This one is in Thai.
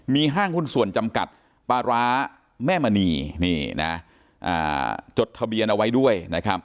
มีห้างหุ้นส่วนจำกัดปราแม่มณีจดทะเบียนเอาไว้ด้วย